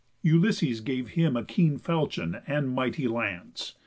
Ulysses gave him a keen falchion, And mighty lance.